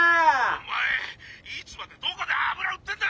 お前いつまでどこで油売ってんだ！